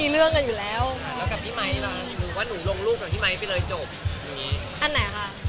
ลงตะยกตะหา